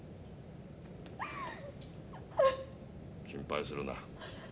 心配するな。